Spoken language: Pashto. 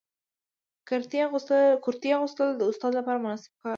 کرتۍ اغوستل د استاد لپاره مناسب کار دی.